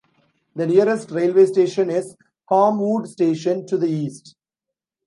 The nearest railway station is Holmwood Station, to the east.